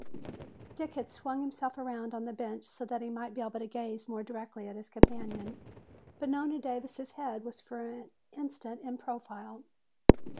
Dick had swung himself around on the bench so that he might be able to gaze more directly at his companion. But Nona Davis' head was for the instant in profile.